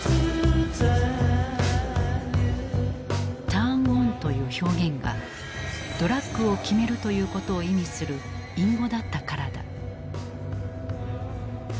「ｔｕｒｎｏｎ」という表現が「ドラッグをきめる」ということを意味する隠語だったからだ。